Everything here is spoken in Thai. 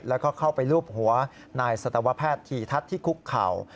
แล้วก็เข้าไปรูปหัวนายศตวภาพธิทัศน์ที่คุกข่าว